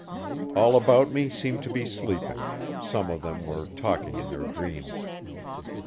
All about me seemed to be sleeping some of them were talking in their dreams.